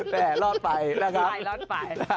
แต่รอดไปนะครับ